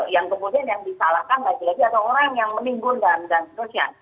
yang kemudian yang disalahkan lagi lagi atau orang yang menimbun dan seterusnya